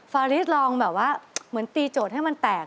ฟาริสลองแบบว่าเหมือนตีโจทย์ให้มันแตก